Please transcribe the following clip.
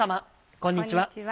こんにちは。